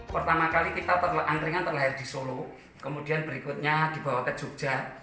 pertama kali kita angkringan terlahir di solo kemudian berikutnya dibawa ke jogja